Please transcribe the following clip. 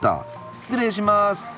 失礼します。